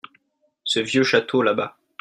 Ce vieux château là-bas.